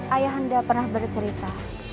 ayah anda pernah bercerita